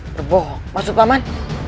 berbohong maksud paman